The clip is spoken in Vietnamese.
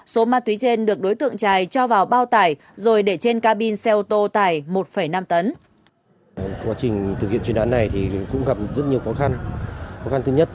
số ma túy trên được đối tượng trải cho vào bao tải rồi để trên cabin xeo tô tải một năm tấn